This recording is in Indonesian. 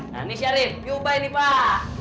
nah ini syarif ini ubay nih pak